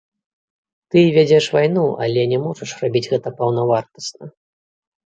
Ты вядзеш вайну, але не можаш рабіць гэта паўнавартасна.